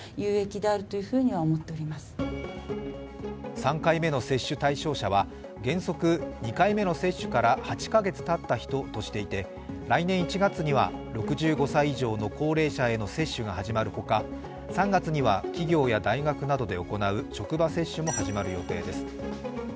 ３回目の接種対象者は原則、２回目の接種から８カ月たった人としていて来年１月には６５歳以上の高齢者への接種が始まるほか３月には企業や大学などで行う職場接種も始まる予定です。